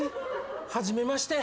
初めまして。